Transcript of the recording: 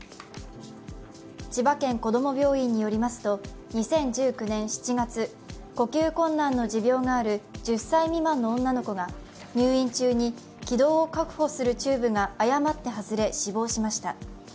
千葉県こども病院によりますと、２０１９年７月呼吸困難の持病がある１０歳未満の女の子が入院中に気道を確保するチューブが誤って外れ死亡しました。